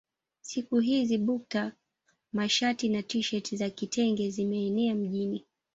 Siku hizi bukta mashati na tisheti za kitenge zimeenea mjini